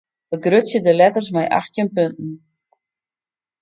Fergrutsje de letters mei achttjin punten.